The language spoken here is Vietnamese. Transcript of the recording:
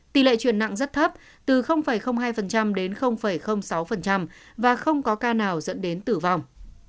tỷ lệ truyền nặng rất thấp từ hai đến sáu và không có ca nào dẫn đến tử vong